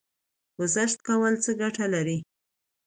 ګذشت کول څه ګټه لري؟